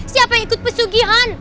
siapa yang ikut pesugihan